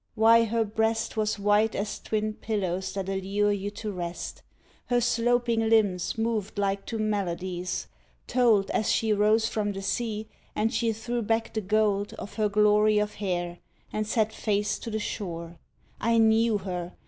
Why, her breast Was white as twin pillows that allure you to rest; Her sloping limbs moved like to melodies, told As she rose from the sea, and she threw back the gold Of her glory of hair, and set face to the shore. ... I knew her!